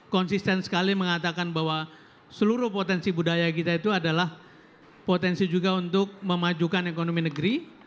konsisten sekali mengatakan bahwa seluruh potensi budaya kita itu adalah potensi juga untuk memajukan ekonomi negeri